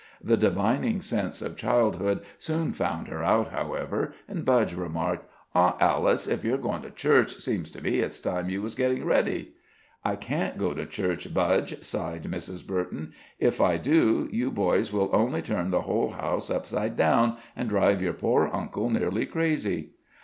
The divining sense of childhood soon found her out, however, and Budge remarked: "Aunt Alice, if you're going to church, seems to me it's time you was getting ready." "I can't go to church, Budge," sighed Mrs. Burton. "If I do, you boys will only turn the whole house upside down, and drive your poor uncle nearly crazy."